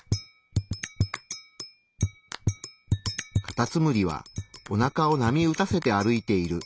カタツムリはおなかを波打たせて歩いている。